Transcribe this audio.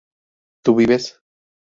¿tú vives?